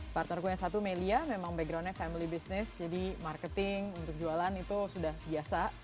partnerku yang satu melia memang backgroundnya family business jadi marketing untuk jualan itu sudah biasa